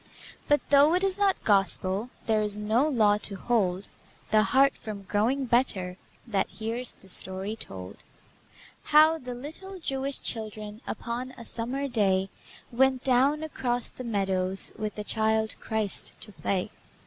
But though it is not Gospel, There is no law to hold The heart from growing better That hears the story told: How the little Jewish children Upon a summer day, Went down across the meadows With the Child Christ to play.